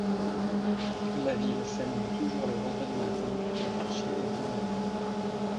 La ville s'anime toujours le vendredi matin pour son marché hebdomadaire.